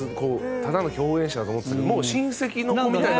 ただの共演者だと思ってたけどもう親戚の子みたいな。